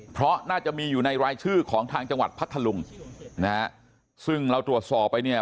เพราะน่าจะมีอยู่ในรายชื่อของทางจังหวัดพัทธลุงนะฮะซึ่งเราตรวจสอบไปเนี่ย